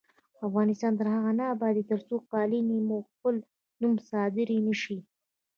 افغانستان تر هغو نه ابادیږي، ترڅو قالینې مو په خپل نوم صادرې نشي.